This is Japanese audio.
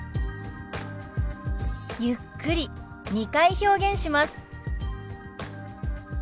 ゆっくり２回表現します。